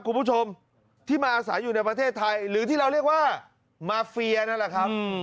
คุณผู้ชมที่มาอาศัยอยู่ในประเทศไทยหรือที่เราเรียกว่ามาเฟียนั่นแหละครับ